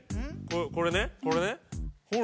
これねこれねほら！